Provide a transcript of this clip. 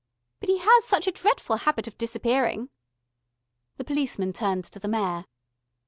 "But he has such a dretful habit of disappearing...." The policeman turned to the Mayor.